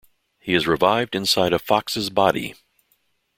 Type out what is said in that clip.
He is revived inside a Fox's body.